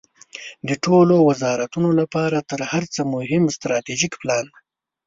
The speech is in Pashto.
د ټولو وزارتونو لپاره تر هر څه مهم استراتیژیک پلان ده.